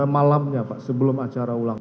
malamnya pak sebelum acara ulang